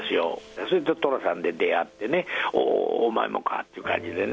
それで寅さんで出会ってね、おお、お前もかっていう感じでね。